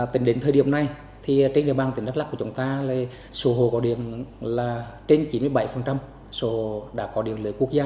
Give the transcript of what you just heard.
tính đến thời điểm này thì trên địa bàn tỉnh đắk lắc của chúng ta là số hộ có điện là trên chín mươi bảy